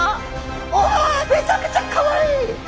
おめちゃくちゃかわいい！